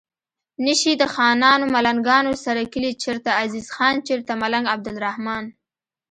نشي د خانانو ملنګانو سره کلي چرته عزیز خان چرته ملنګ عبدالرحمان